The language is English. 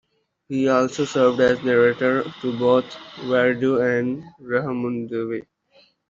He also served as narrator to both "Varudu" and "Rudhramadevi".